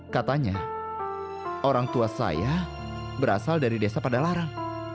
katanya orang tua saya berasal dari desa padalaran